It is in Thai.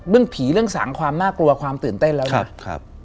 เรื่องผีเรื่องสารความน่ากลัวความตื่นเต้นแล้วนะ